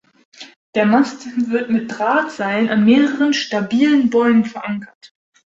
Der Mast wird mit Drahtseilen an mehreren stabilen Bäumen verankert.